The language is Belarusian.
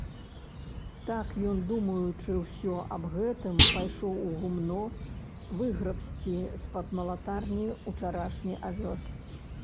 Так ён, думаючы ўсё аб гэтым, пайшоў у гумно выграбці з-пад малатарні ўчарашні авёс.